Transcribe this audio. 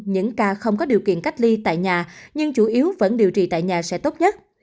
những ca không có điều kiện cách ly tại nhà nhưng chủ yếu vẫn điều trị tại nhà sẽ tốt nhất